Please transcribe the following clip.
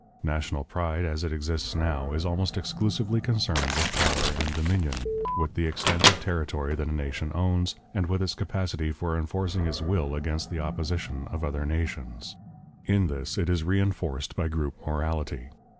National pride, as it exists now, is almost exclusively concerned with power and dominion, with the extent of territory that a nation owns, and with its capacity for enforcing its will against the opposition of other nations. In this it is reinforced by group morality.